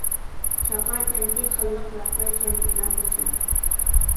چاقا كەنتى، خانلىق ۋەخپە كەنتى بىلەن قوشنا.